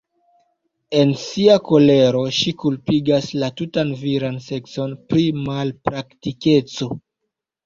En sia kolero ŝi kulpigas la tutan viran sekson pri malpraktikeco.